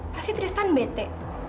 pasti tristan bete